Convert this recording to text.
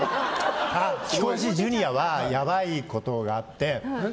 貴公子ジュニアはやばいことがあって。